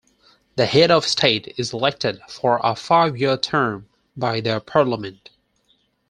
The head of state is elected for a five-year term by the parliament.